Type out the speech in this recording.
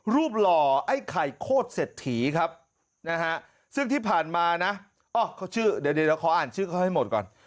รูปหล่อไอ้ไข่โคตรเศรษฐีครับซึ่งที่ผ่านมานะเดี๋ยวเดี๋ยวขออ่านชื่อให้หมดก่อน